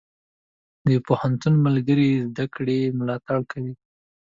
د پوهنتون ملګري د زده کړې ملاتړ کوي.